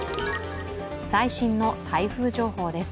最新の台風情報です。